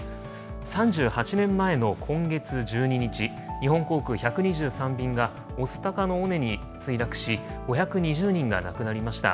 ３８年前の今月１２日、日本航空１２３便が、御巣鷹の尾根に墜落し、５２０人が亡くなりました。